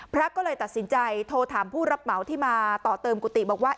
พระก็เลยตัดสินใจโทรถามผู้รับเหมาที่มาต่อเติมกุฏิบอกว่า